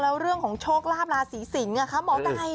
อ๋อแล้วเรื่องของโชคราบลาศรีสิงห์ค่ะหมอไต